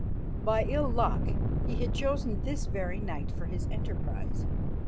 By ill luck he had chosen this very night for his enterprise.